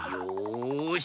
よし！